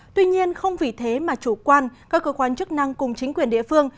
tuy nhiên không vì thế mà chủ quan các cơ quan chức năng cùng chính quyền địa phương